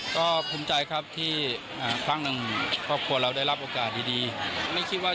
ก็สวยครับแต่ถ้าเจอกันแรกคงไม่เอา